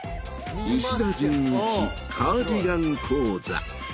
石田純一カーディガン講座。